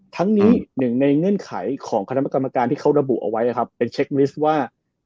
ทั้งนี้หนึ่งในเงื่อนไขของคณะกรรมการที่เขาระบุเอาไว้นะครับเป็นเช็คลิสต์ว่า